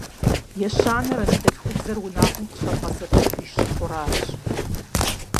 Ещанэр анэдэлъхубзэр унагъуэм къыщамыгъэсэбэпыж щыхъуращ.